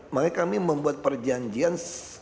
makanya kami membuat perjanjian dua ribu empat belas